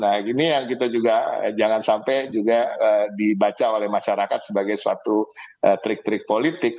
nah ini yang kita juga jangan sampai juga dibaca oleh masyarakat sebagai suatu trik trik politik